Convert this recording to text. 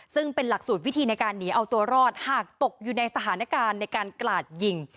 ซึ่งเป็นหลักสูตรวิธีในการหนีเอาตัวรอดหากตกอยู่ในสถานการณ์ในการกลาดยิง